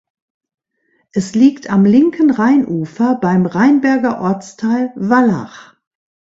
Es liegt am linken Rheinufer beim Rheinberger Ortsteil Wallach.